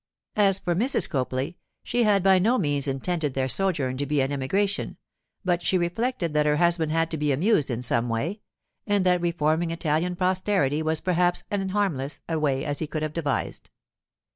As for Mrs. Copley, she had by no means intended their sojourn to be an emigration, but she reflected that her husband had to be amused in some way, and that reforming Italian posterity was perhaps an harmless a way as he could have devised.